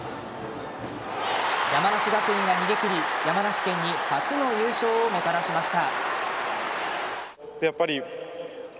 山梨学院が逃げ切り山梨県に初の優勝をもたらしました。